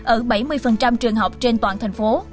ở bảy mươi trường học trên toàn thành phố